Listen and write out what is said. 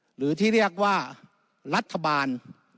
หรือที่เรียกว่ารัฐบาล